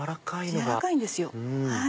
やわらかいんですよ。